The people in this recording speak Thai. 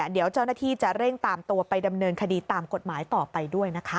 เดี๋ยวเจ้าหน้าที่จะเร่งตามตัวไปดำเนินคดีตามกฎหมายต่อไปด้วยนะคะ